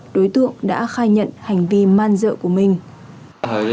đối tượng đã khai nhận hành vi man dợ của mình